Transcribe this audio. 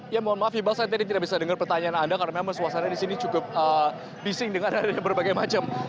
ya mohon maaf iqbal saya tadi tidak bisa dengar pertanyaan anda karena memang suasana di sini cukup bising dengan adanya berbagai macam